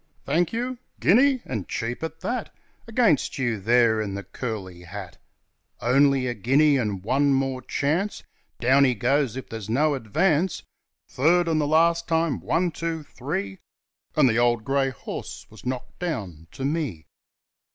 'Thank you? Guinea! and cheap at that! Against you there in the curly hat! Only a guinea, and one more chance, Down he goes if there's no advance, Third, and the last time, one! two! three!' And the old grey horse was knocked down to me.